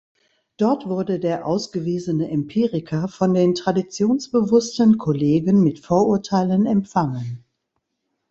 Dort wurde der ausgewiesene Empiriker von den traditionsbewussten Kollegen mit Vorurteilen empfangen.